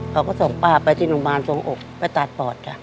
เขาก็ส่งป้าไปที่โรงพยาบาลสวงอกไปตัดปอดจ้ะ